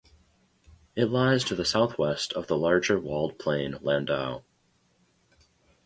It lies to the southwest of the larger walled plain Landau.